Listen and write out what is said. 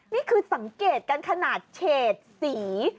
นี่คือสังเกตกันขนาดเฉดสี